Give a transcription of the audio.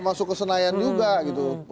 masuk kesenayan juga gitu